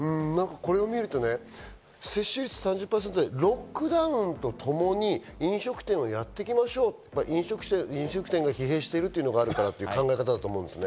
これを見ると、接種率３０％でロックダウンとともに飲食店をやっていきましょうって、飲食店が疲弊しているというのがあるからという考え方だと思うんですね。